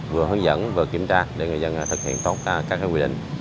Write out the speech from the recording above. vừa hướng dẫn vừa kiểm tra để người dân thực hiện tốt các quy định